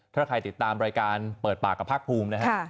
ถ้าใครติดตามรายการเปิดปากกับภาคภูมินะฮะ